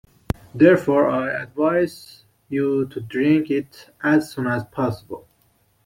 Therefore I advise you to drink it as soon as possible.